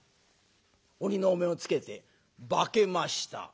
鬼のお面をつけて「化けました」。